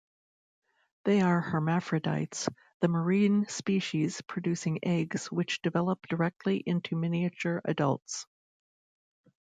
They are hermaphrodites, the marine species producing eggs which develop directly into miniature adults.